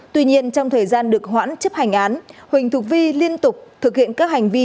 tuy nhiên trong thời gian được hoãn chấp hành án huỳnh thúc vi liên tục thực hiện các hành vi